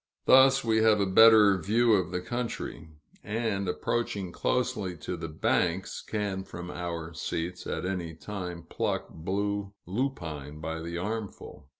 Thus we have a better view of the country; and, approaching closely to the banks, can from our seats at any time pluck blue lupine by the armful.